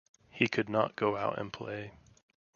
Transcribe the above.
He could not go out and play.